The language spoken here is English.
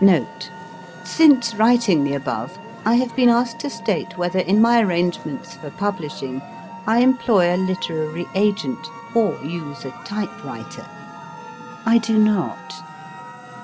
NOTE. Since writing the above I have been asked to state whether, in my arrangements for publishing, I employ a literary agent or use a type writer. I do not.